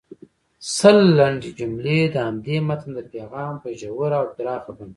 سل لنډې جملې د همدې متن د پیغام په ژوره او پراخه بڼه